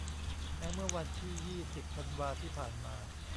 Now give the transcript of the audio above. แม้เมื่อวันที่ ยี่สิบ ธันวาที่ผ่านมา